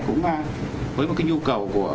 cũng với một cái nhu cầu của